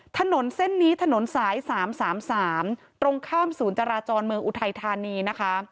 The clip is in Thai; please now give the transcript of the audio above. ถนนเส้นนี้ถนนสาย๓๓ตรงข้ามศูนย์จราจรเมืองอุทัยธานีนะคะ